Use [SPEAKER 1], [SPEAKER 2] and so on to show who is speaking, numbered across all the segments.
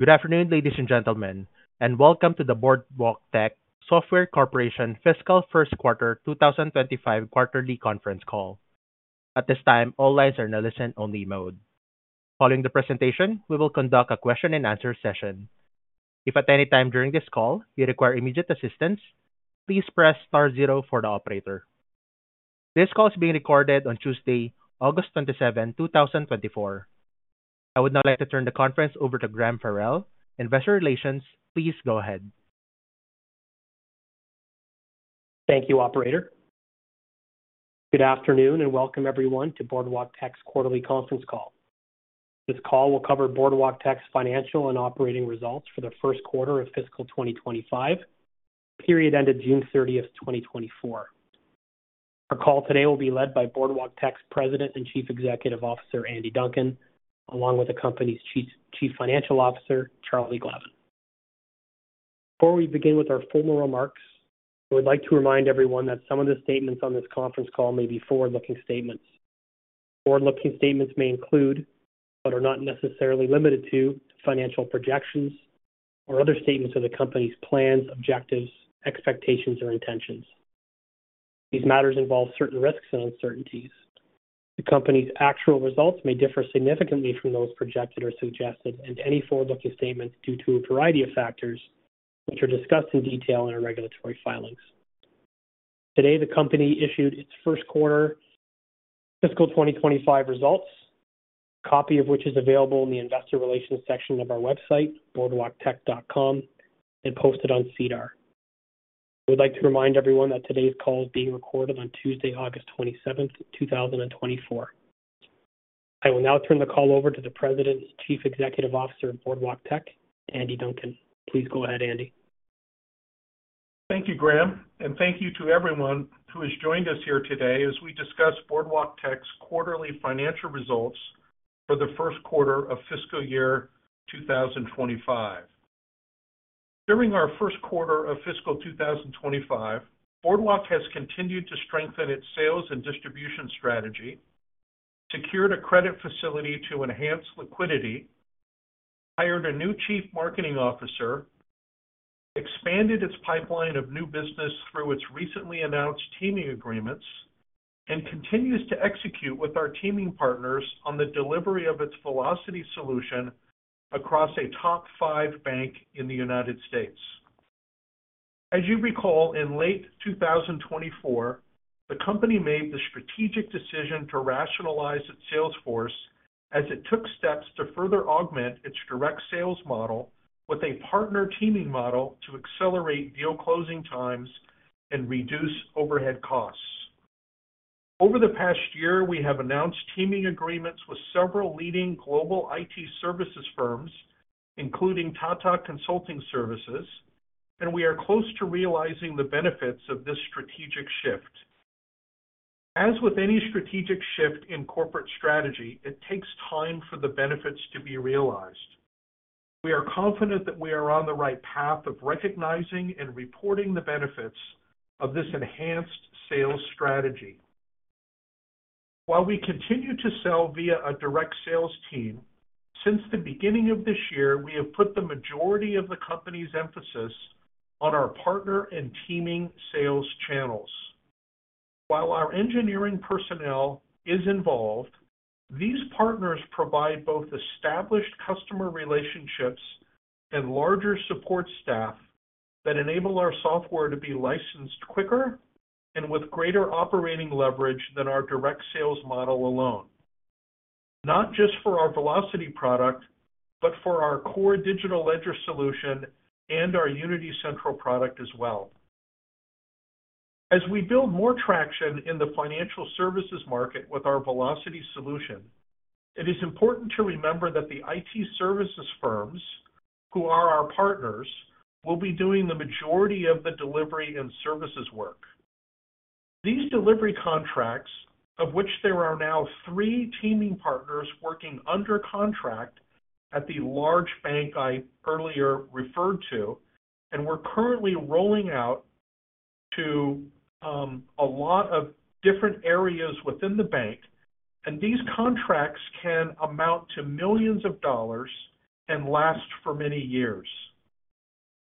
[SPEAKER 1] Good afternoon, ladies and gentlemen, and welcome to the Boardwalktech Software Corporation fiscal first quarter 2025 quarterly conference call. At this time, all lines are now listen-only mode. Following the presentation, we will conduct a question and answer session. If at any time during this call you require immediate assistance, please press star zero for the operator. This call is being recorded on Tuesday, August 27, 2024. I would now like to turn the conference over to Graham Farrell, Investor Relations. Please go ahead.
[SPEAKER 2] Thank you, Operator. Good afternoon, and welcome everyone to Boardwalktech's quarterly conference call. This call will cover Boardwalktech's financial and operating results for the first quarter of fiscal 2025, period ended June 30th, 2024. Our call today will be led by Boardwalktech President and Chief Executive Officer, Andy Duncan, along with the company's Chief Financial Officer, Charlie Glavin. Before we begin with our formal remarks, I would like to remind everyone that some of the statements on this conference call may be forward-looking statements. Forward-looking statements may include, but are not necessarily limited to, financial projections or other statements of the company's plans, objectives, expectations, or intentions. These matters involve certain risks and uncertainties. The company's actual results may differ significantly from those projected or suggested in any forward-looking statements due to a variety of factors, which are discussed in detail in our regulatory filings. Today, the company issued its first quarter fiscal 2025 results, copy of which is available in the investor relations section of our website, boardwalktech.com, and posted on SEDAR. I would like to remind everyone that today's call is being recorded on Tuesday, August 27th, 2024. I will now turn the call over to the President and Chief Executive Officer of Boardwalktech, Andy Duncan. Please go ahead, Andy.
[SPEAKER 3] Thank you, Graham, and thank you to everyone who has joined us here today as we discuss Boardwalktech's quarterly financial results for the first quarter of fiscal year 2025. During our first quarter of fiscal 2025, Boardwalk has continued to strengthen its sales and distribution strategy, secured a credit facility to enhance liquidity, hired a new chief marketing officer, expanded its pipeline of new business through its recently announced teaming agreements, and continues to execute with our teaming partners on the delivery of its Velocity solution across a top five bank in the United States. As you recall, in late 2024, the company made the strategic decision to rationalize its sales force as it took steps to further augment its direct sales model with a partner teaming model to accelerate deal closing times and reduce overhead costs. Over the past year, we have announced teaming agreements with several leading global IT services firms, including Tata Consulting Services, and we are close to realizing the benefits of this strategic shift. As with any strategic shift in corporate strategy, it takes time for the benefits to be realized. We are confident that we are on the right path of recognizing and reporting the benefits of this enhanced sales strategy. While we continue to sell via a direct sales team, since the beginning of this year, we have put the majority of the company's emphasis on our partner and teaming sales channels. While our engineering personnel is involved, these partners provide both established customer relationships and larger support staff that enable our software to be licensed quicker and with greater operating leverage than our direct sales model alone. Not just for our Velocity product, but for our core Digital Ledger solution and our Unity Central product as well. As we build more traction in the financial services market with our Velocity solution, it is important to remember that the IT services firms who are our partners will be doing the majority of the delivery and services work. These delivery contracts, of which there are now three teaming partners working under contract at the large bank I earlier referred to, and we're currently rolling out to a lot of different areas within the bank, and these contracts can amount to millions of dollars and last for many years.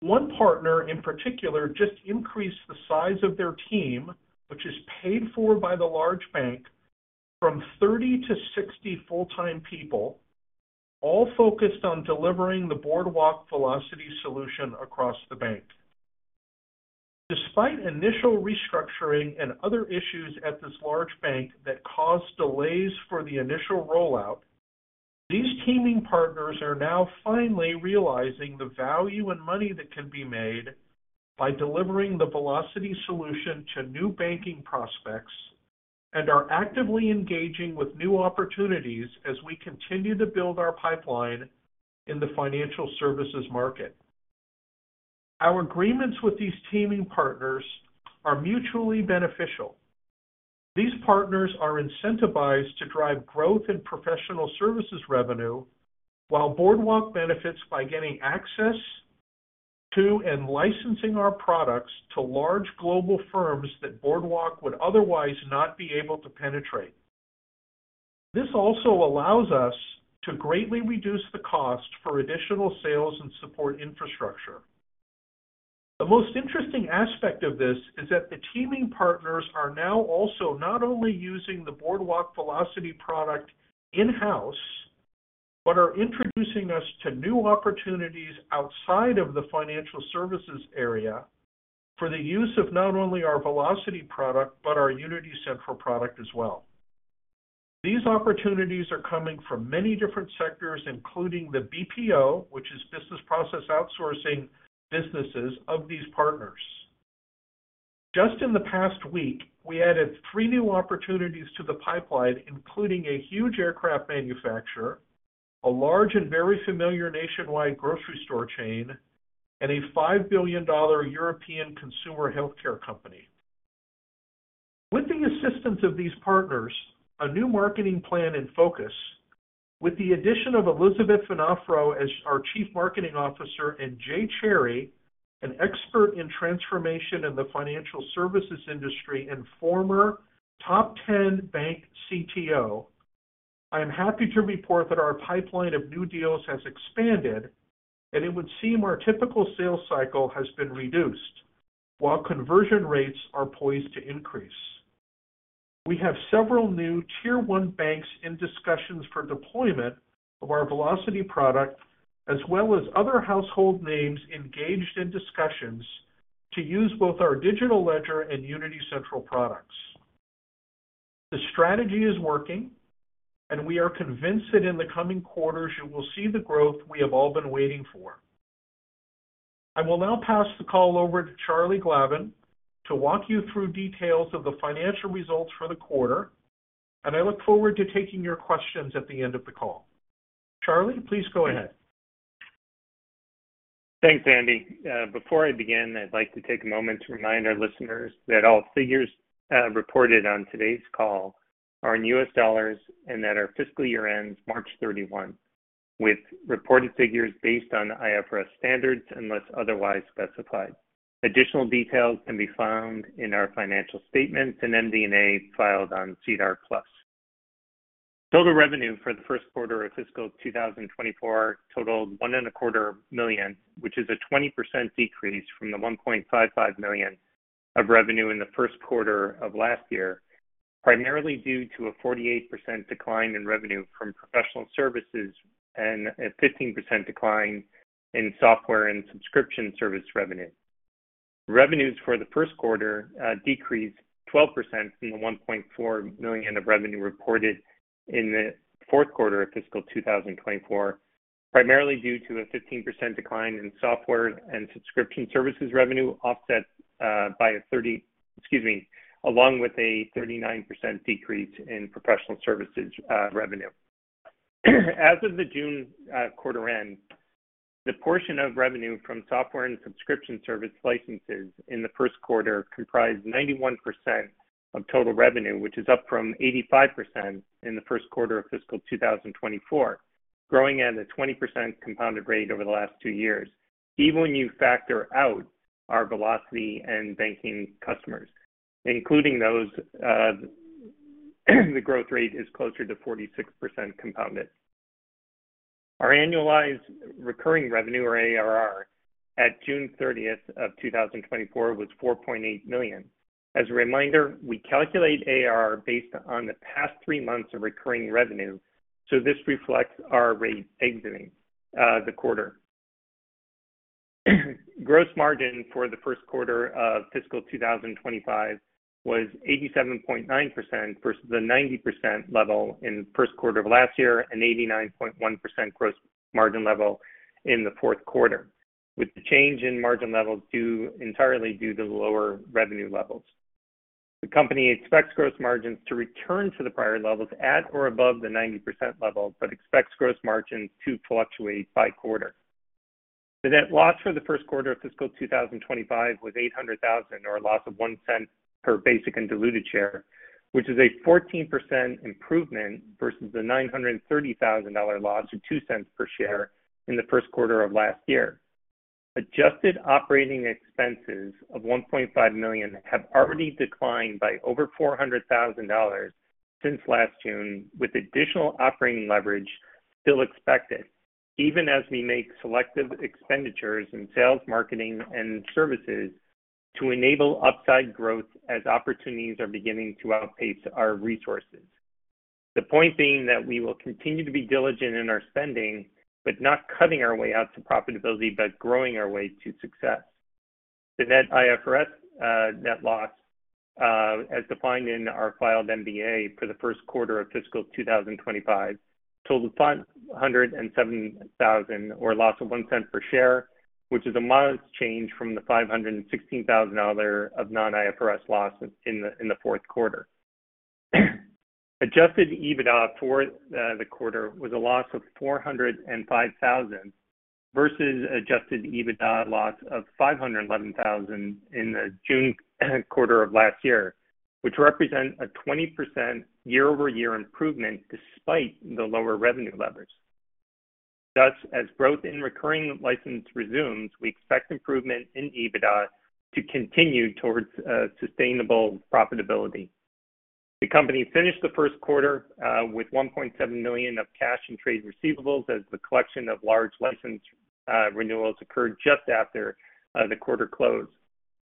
[SPEAKER 3] One partner in particular just increased the size of their team, which is paid for by the large bank, from 30 to 60 full-time people, all focused on delivering the Boardwalk Velocity solution across the bank. Despite initial restructuring and other issues at this large bank that caused delays for the initial rollout, these teaming partners are now finally realizing the value and money that can be made by delivering the Velocity solution to new banking prospects and are actively engaging with new opportunities as we continue to build our pipeline in the financial services market. Our agreements with these teaming partners are mutually beneficial. These partners are incentivized to drive growth in professional services revenue, while Boardwalk benefits by getting access to and licensing our products to large global firms that Boardwalk would otherwise not be able to penetrate. This also allows us to greatly reduce the cost for additional sales and support infrastructure. The most interesting aspect of this is that the teaming partners are now also not only using the Boardwalk Velocity product in-house, but are introducing us to new opportunities outside of the financial services area for the use of not only our Velocity product, but our Unity Central product as well. These opportunities are coming from many different sectors, including the BPO, which is business process outsourcing businesses of these partners. Just in the past week, we added three new opportunities to the pipeline, including a huge aircraft manufacturer, a large and very familiar nationwide grocery store chain, and a $5 billion European consumer healthcare company. With the assistance of these partners, a new marketing plan in focus, with the addition of Elizabeth Venafro as our Chief Marketing Officer, and Jay Cherrie, an expert in transformation in the financial services industry and former top 10 bank CTO, I am happy to report that our pipeline of new deals has expanded, and it would seem our typical sales cycle has been reduced, while conversion rates are poised to increase. We have several new Tier one banks in discussions for deployment of our Velocity product, as well as other household names engaged in discussions to use both our Digital Ledger and Unity Central products. The strategy is working, and we are convinced that in the coming quarters, you will see the growth we have all been waiting for. I will now pass the call over to Charlie Glavin to walk you through details of the financial results for the quarter, and I look forward to taking your questions at the end of the call. Charlie, please go ahead.
[SPEAKER 4] Thanks, Andy. Before I begin, I'd like to take a moment to remind our listeners that all figures reported on today's call are in U.S. dollars and that our fiscal year ends March 31, with reported figures based on IFRS standards, unless otherwise specified. Additional details can be found in our financial statements and MD&A filed on SEDAR+. Total revenue for the first quarter of fiscal 2024 totaled $1.25 million, which is a 20% decrease from the $1.55 million of revenue in the first quarter of last year, primarily due to a 48% decline in revenue from professional services and a 15% decline in software and subscription service revenue. Revenues for the first quarter decreased 12% from the $1.4 million of revenue reported in the fourth quarter of fiscal 2024, primarily due to a 15% decline in software and subscription services revenue, offset along with a 39% decrease in professional services revenue. As of the June quarter end, the portion of revenue from software and subscription service licenses in the first quarter comprised 91% of total revenue, which is up from 85% in the first quarter of fiscal 2024, growing at a 20% compounded rate over the last two years. Even when you factor out our Velocity and banking customers, including those, the growth rate is closer to 46% compounded. Our annualized recurring revenue, or ARR, at June 30th, 2024 was $4.8 million. As a reminder, we calculate ARR based on the past three months of recurring revenue, so this reflects our rate exiting the quarter. Gross margin for the first quarter of fiscal 2025 was 87.9% versus the 90% level in the first quarter of last year, and 89.1% gross margin level in the fourth quarter, with the change in margin levels due entirely to lower revenue levels. The company expects gross margins to return to the prior levels at or above the 90% level, but expects gross margins to fluctuate by quarter. The net loss for the first quarter of fiscal 2025 was $800,000, or a loss of $0.01 per basic and diluted share, which is a 14% improvement versus the $930,000 loss of $0.02 per share in the first quarter of last year. Adjusted operating expenses of $1.5 million have already declined by over $400,000 since last June, with additional operating leverage still expected, even as we make selective expenditures in sales, marketing, and services to enable upside growth as opportunities are beginning to outpace our resources. The point being that we will continue to be diligent in our spending, but not cutting our way out to profitability, but growing our way to success. The non-IFRS net loss as defined in our filed MD&A for the first quarter of fiscal 2025 totaled $507,000, or a loss of $0.01 per share, which is a modest change from the $516,000 of non-IFRS loss in the fourth quarter. Adjusted EBITDA for the quarter was a loss of $405,000 versus adjusted EBITDA loss of $511,000 in the June quarter of last year, which represent a 20% year-over-year improvement despite the lower revenue levels. Thus, as growth in recurring license resumes, we expect improvement in EBITDA to continue towards sustainable profitability. The company finished the first quarter with $1.7 million of cash and trade receivables as the collection of large license renewals occurred just after the quarter close.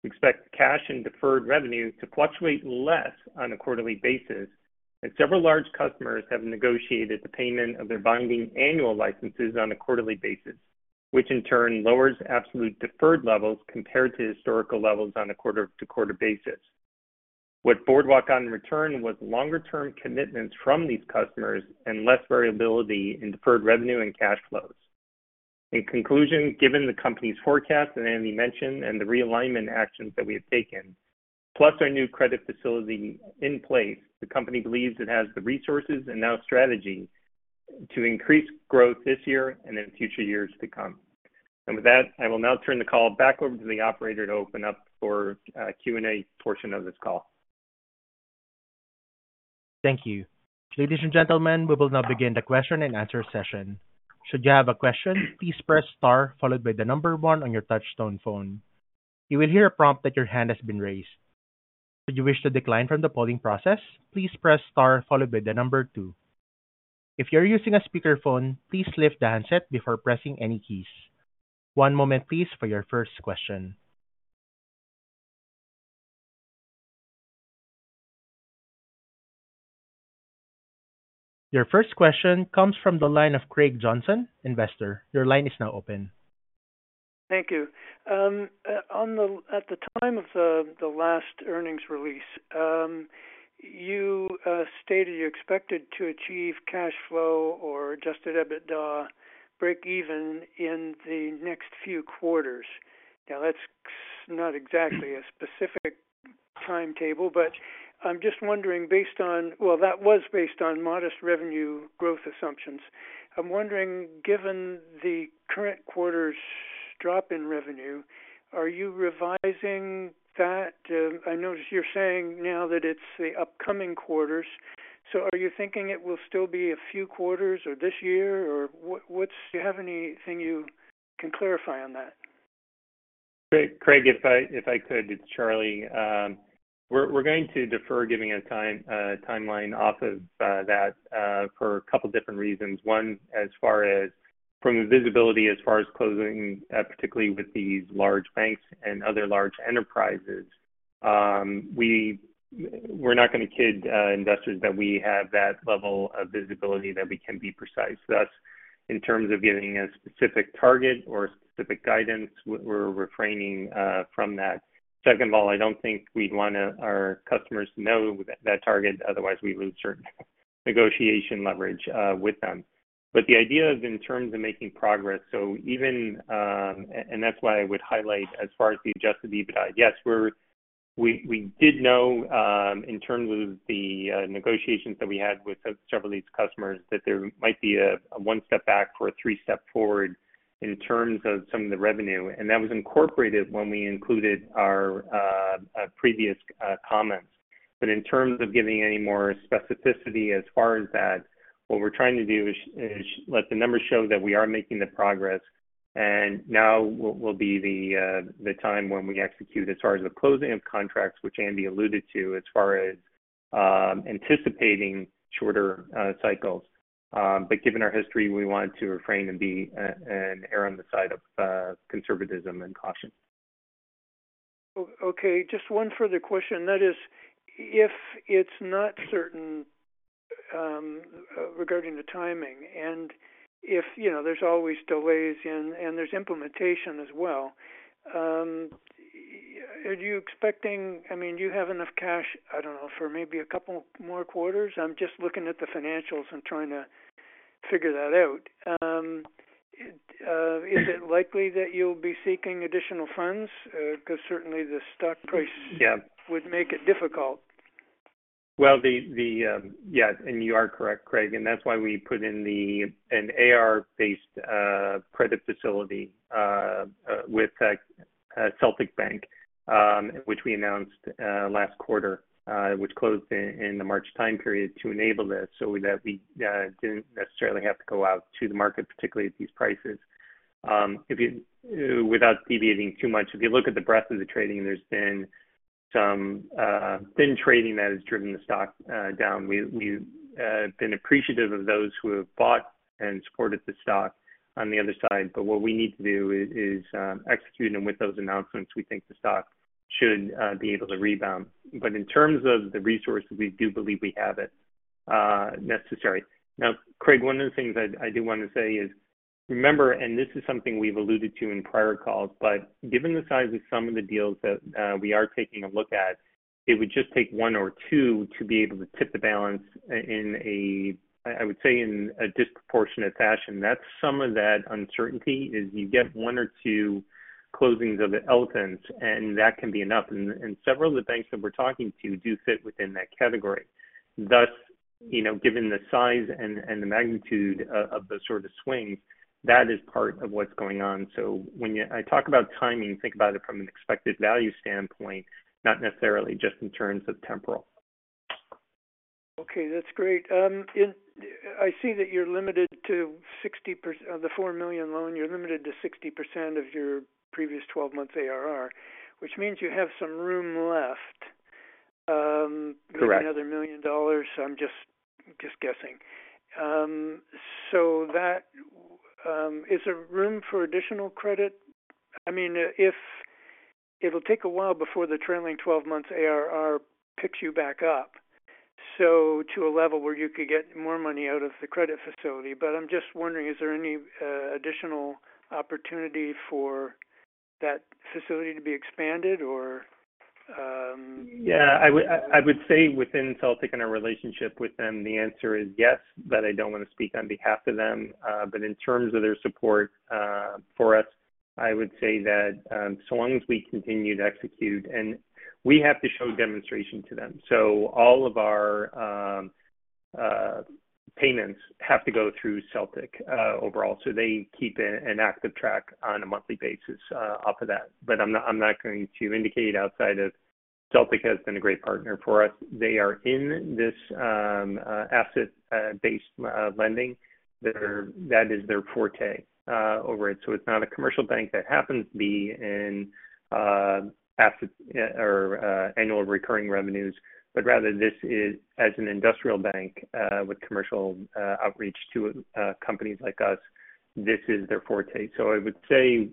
[SPEAKER 4] We expect cash and deferred revenue to fluctuate less on a quarterly basis, and several large customers have negotiated the payment of their binding annual licenses on a quarterly basis, which in turn lowers absolute deferred levels compared to historical levels on a quarter-to-quarter basis. What Boardwalk got in return was longer-term commitments from these customers and less variability in deferred revenue and cash flows. In conclusion, given the company's forecast that Andy mentioned and the realignment actions that we have taken, plus our new credit facility in place, the company believes it has the resources and new strategy to increase growth this year and in future years to come. And with that, I will now turn the call back over to the Operator to open up for Q&A portion of this call.
[SPEAKER 1] Thank you. Ladies and gentlemen, we will now begin the question and answer session. Should you have a question, please press star followed by the number one on your touchtone phone. You will hear a prompt that your hand has been raised. Should you wish to decline from the polling process, please press star followed by the number two. If you're using a speakerphone, please lift the handset before pressing any keys. One moment please for your first question. Your first question comes from the line of Craig Johnson, investor. Your line is now open. Thank you. At the time of the last earnings release, you stated you expected to achieve cash flow or adjusted EBITDA breakeven in the next few quarters. Now, that's not exactly a specific timetable, but I'm just wondering. Well, that was based on modest revenue growth assumptions. I'm wondering, given the current quarter's drop in revenue, are you revising that? I noticed you're saying now that it's the upcoming quarters, so are you thinking it will still be a few quarters or this year, or what? Do you have anything you can clarify on that?
[SPEAKER 4] Craig, if I could, it's Charlie. We're going to defer giving a timeline off of that for a couple different reasons. One, as far as from the visibility, as far as closing, particularly with these large banks and other large enterprises, we're not gonna kid investors that we have that level of visibility, that we can be precise. Thus, in terms of giving a specific target or specific guidance, we're refraining from that. Second of all, I don't think we'd want our customers to know that target, otherwise we lose certain negotiation leverage with them. But the idea is in terms of making progress, so even... And that's why I would highlight, as far as the adjusted EBITDA, yes, we did know in terms of the negotiations that we had with several of these customers, that there might be a one step back for a three step forward in terms of some of the revenue, and that was incorporated when we included our previous comments. But in terms of giving any more specificity as far as that, what we're trying to do is let the numbers show that we are making the progress, and now will be the time when we execute as far as the closing of contracts, which Andy alluded to, as far as anticipating shorter cycles. But given our history, we want to refrain and err on the side of conservatism and caution. Okay, just one further question, that is, if it's not certain regarding the timing and if, you know, there's always delays and there's implementation as well, are you expecting? I mean, do you have enough cash, I don't know, for maybe a couple more quarters? I'm just looking at the financials and trying to figure that out. Is it likely that you'll be seeking additional funds? Because certainly the stock price- Yeah. would make it difficult. Yeah, and you are correct, Craig, and that's why we put in an AR-based credit facility with Celtic Bank, which we announced last quarter, which closed in the March time period to enable this, so that we didn't necessarily have to go out to the market, particularly at these prices. If you, without deviating too much, if you look at the breadth of the trading, there's been some thin trading that has driven the stock down. We've been appreciative of those who have bought and supported the stock on the other side, but what we need to do is execute, and with those announcements, we think the stock should be able to rebound. But in terms of the resources, we do believe we have it necessary. Now, Craig, one of the things I, I do want to say is, remember, and this is something we've alluded to in prior calls, but given the size of some of the deals that we are taking a look at, it would just take one or two to be able to tip the balance in a, I would say, in a disproportionate fashion. That's some of that uncertainty, is you get one or two closings of the elephants, and that can be enough, and several of the banks that we're talking to do fit within that category. Thus, you know, given the size and the magnitude of the sort of swings, that is part of what's going on. So when you, I talk about timing, think about it from an expected value standpoint, not necessarily just in terms of temporal. Okay, that's great. I see that you're limited to 60%-- the $4 million loan, you're limited to 60% of your previous 12 months ARR, which means you have some room left. Correct. 12Maybe another $1 million. I'm just guessing, so is there room for additional credit? I mean, if it'll take a while before the trailing twelve months ARR picks you back up, so to a level where you could get more money out of the credit facility, but I'm just wondering, is there any additional opportunity for that facility to be expanded or? Yeah, I would say within Celtic and our relationship with them, the answer is yes, but I don't want to speak on behalf of them, but in terms of their support for us, I would say that so long as we continue to execute and we have to show demonstration to them, so all of our payments have to go through Celtic overall, so they keep an active track on a monthly basis off of that, but I'm not going to indicate outside of Celtic has been a great partner for us. They are in this asset based lending. That is their forte over it. So it's not a commercial bank that happens to be in asset or annual recurring revenues, but rather this is an industrial bank with commercial outreach to companies like us. This is their forte, so I would say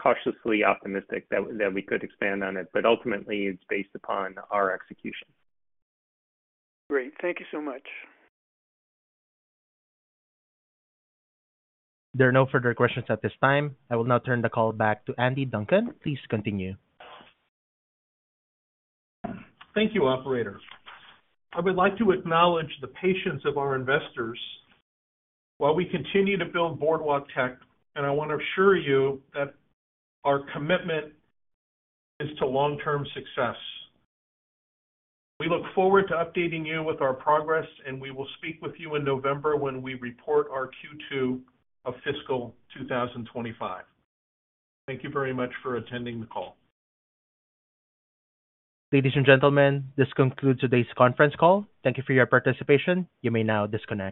[SPEAKER 4] cautiously optimistic that we could expand on it, but ultimately it's based upon our execution. Great. Thank you so much.
[SPEAKER 1] There are no further questions at this time. I will now turn the call back to Andy Duncan. Please continue.
[SPEAKER 3] Thank you, Operator. I would like to acknowledge the patience of our investors while we continue to build Boardwalktech, and I want to assure you that our commitment is to long-term success. We look forward to updating you with our progress, and we will speak with you in November when we report our Q2 of fiscal 2025. Thank you very much for attending the call.
[SPEAKER 1] Ladies and gentlemen, this concludes today's conference call. Thank you for your participation. You may now disconnect.